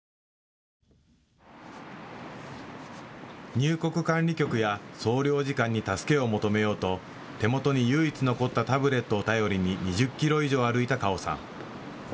入国管理局や総領事館に助けを求めようと手元に唯一残ったタブレットを頼りに２０キロ以上歩いたカオさん。